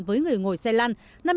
với người ngồi xe lăn